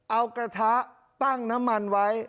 เอากระทะตั้งน้ำมันไว้